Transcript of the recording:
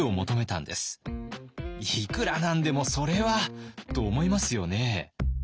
いくら何でもそれはと思いますよね。